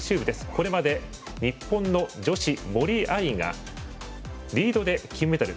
これまで日本の女子、森秋彩がリードで金メダル。